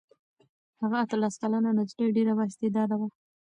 هغه اتلس کلنه نجلۍ ډېره بااستعداده وه.